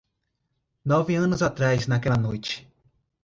Nove anos atrás naquela noite.